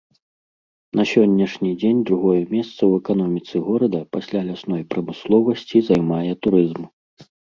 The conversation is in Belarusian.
На сённяшні дзень другое месца ў эканоміцы горада пасля лясной прамысловасці займае турызм.